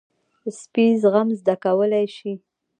سپي زغم زده کولی شي.